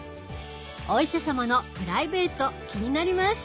お医者様のプライベート気になります。